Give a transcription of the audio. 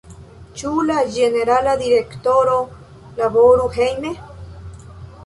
Ĉu la Ĝenerala Direktoro laboru hejme?